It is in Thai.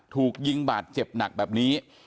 ถูกยิงบาดเจ็บหนักแบบนี้